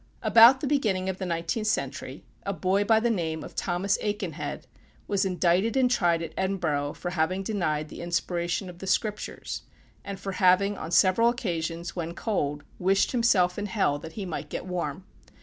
About the beginning of the nineteenth century, a boy by the name of Thomas Aikenhead, was indicted and tried at Edinburgh for having denied the inspiration of the Scriptures, and for having, on several occasions, when cold, wished himself in hell that he might get warm.